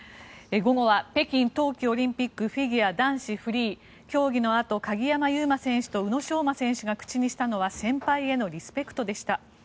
午後は北京冬季オリンピックフィギュア男子フリー競技のあと鍵山優真選手と宇野昌磨選手が口にしたのは先輩へのリスペクトでした。